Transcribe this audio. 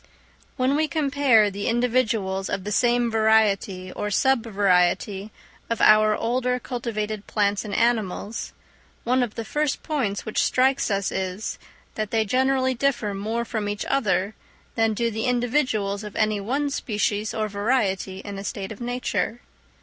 _ When we compare the individuals of the same variety or sub variety of our older cultivated plants and animals, one of the first points which strikes us is, that they generally differ more from each other than do the individuals of any one species or variety in a state of nature.